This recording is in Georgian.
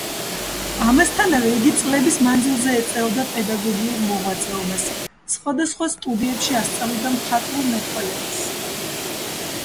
ამასთანავე იგი წლების მანძილზე ეწეოდა პედაგოგიურ მოღვაწეობას, სხვადასხვა სტუდიებში ასწავლიდა მხატვრულ მეტყველებას.